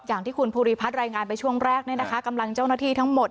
อย่างที่คุณภูริพัฒน์รายงานไปช่วงแรกเนี่ยนะคะกำลังเจ้าหน้าที่ทั้งหมด